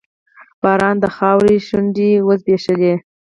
باران د خاورو شونډې وځبیښلې